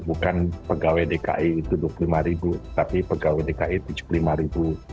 bukan pegawai dki itu dua puluh lima ribu tapi pegawai dki tujuh puluh lima ribu